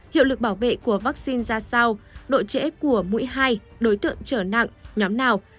hiệu lực bảo vệ của vaccine ra sao độ trễ của mũi hai đối tượng trở nặng nhóm nào